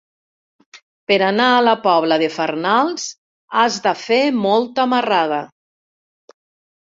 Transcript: Per anar a la Pobla de Farnals has de fer molta marrada.